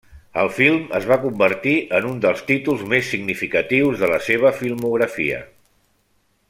El film es va convertir en un dels títols més significatius de la seva filmografia.